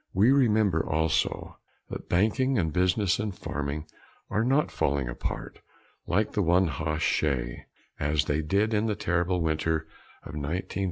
We remember also that banking and business and farming are not falling apart like the one hoss shay, as they did in the terrible winter of 1932 1933.